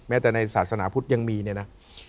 แต่ในศาสนาพุทธยังมีเนี่ยนะ